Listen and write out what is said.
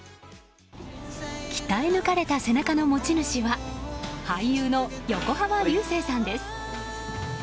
鍛え抜かれた背中の持ち主は俳優の横浜流星さんです。